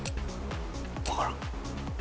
分からん。